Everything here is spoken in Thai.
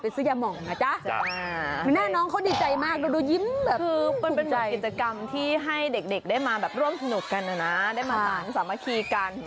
เป็นแบบกิจกรรมที่ให้เด็กได้มาร่วมสนุกกันนะได้มาต่างสามัคคีกัน